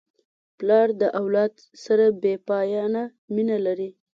پلار د اولاد سره بېپایانه مینه لري.